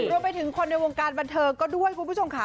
รวมไปถึงคนในวงการบันเทิงก็ด้วยคุณผู้ชมค่ะ